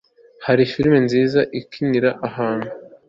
hari firime nziza ikinira ahantu